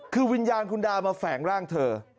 คือวิญญาณคุณดาวมาแฝงร่างเธอ